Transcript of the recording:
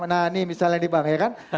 nah ini misalnya nih bang ya kan